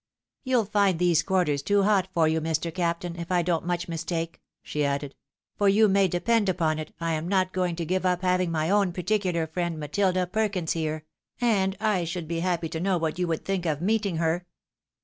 " You'll find these quarters too hot for you, Mr. Captain, if I don't much mistake," she added ;" for you may depend upon it I am not going to give up having my own particular friend, Matilda Perkms, here — and 1 should be happy to know what you would think of meeting her